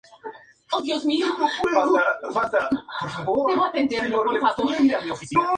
Este ejercicio se suele complementar con la extensión de pierna.